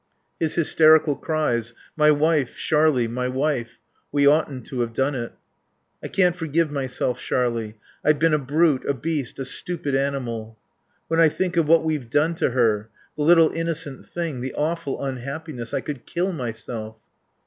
His hysterical cries. "My wife, Sharlie, my wife. We oughtn't to have done it.... "... I can't forgive myself, Sharlie. I've been a brute, a beast, a stupid animal.... "... When I think of what we've done to her the little innocent thing the awful unhappiness I could kill myself."